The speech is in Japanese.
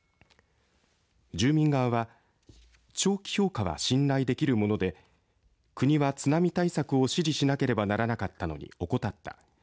住民側は長期評価は信頼できるもので国は津波対策を指示しなければならなかったのに怠った。